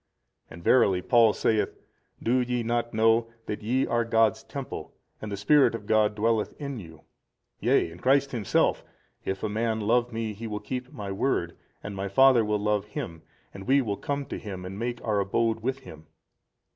And verily Paul saith, Do ye not know that ye are God's Temple and the Spirit of God dwelleth in you, yea, |283 and Christ Himself, If a man love Me he will keep My word, and My Father will love him and we will come to him and make Our Abode with him.